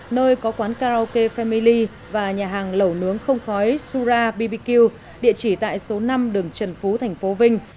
nơi có quán karaoke family và nhà hàng lẩu nướng không khói sura bbq địa chỉ tại số năm đường trần phú thành phố vinh